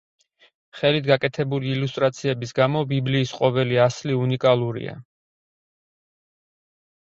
ხელით გაკეთებული ილუსტრაციების გამო ბიბლიის ყოველი ასლი უნიკალურია.